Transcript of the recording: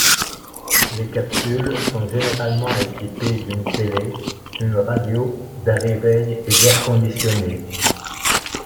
Les capsules sont généralement équipées d’une télé, d’une radio, d’un réveil et d’air conditionné.